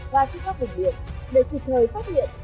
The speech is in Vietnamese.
và trên các vùng biển để kịp thời phát hiện